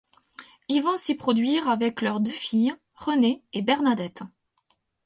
Ils vont s'y produire avec leurs deux filles, Renée et Bernadette.